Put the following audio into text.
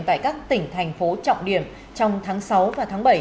tại các tỉnh thành phố trọng điểm trong tháng sáu và tháng bảy